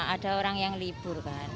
ada orang yang libur kan